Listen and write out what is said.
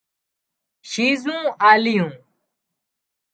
شيزُون آليون